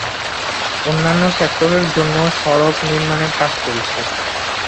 অন্যান্য সেক্টরের জন্যও সড়ক নির্মাণের কাজ চলছে।